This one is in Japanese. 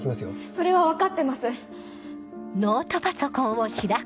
それは分かってます。